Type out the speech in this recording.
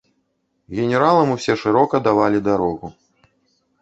Генералам усе шырока давалі дарогу.